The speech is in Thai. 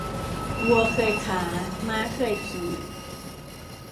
วัวเคยขา ม้าเคยขี่